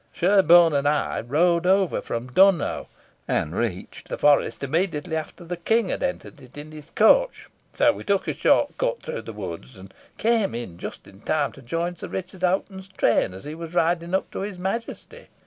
Sherborne and I rode over from Dunnow, and reached the forest immediately after the King had entered it in his coach; so we took a short cut through the woods, and came up just in time to join Sir Richard Hoghton's train as he was riding up to his Majesty.